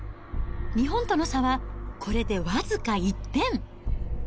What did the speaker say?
日本との差はこれで僅か１点。